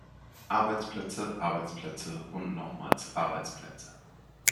Arbeitsplätze, Arbeitsplätze und nochmals Arbeitsplätze.